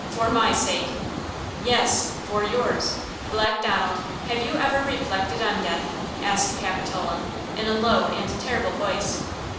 for my sake!" "Yes, for yours! Black Donald, have you ever reflected on death?" asked Capitola, in a low and terrible voice.